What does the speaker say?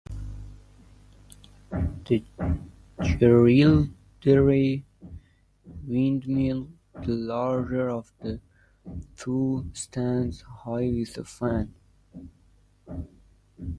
The Jerilderie windmill, the larger of the two stands high with a fan.